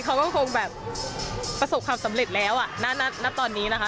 เขาก็คงแบบประสบความสำเร็จแล้วอ่ะณตอนนี้นะคะ